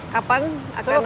kapan akan operasi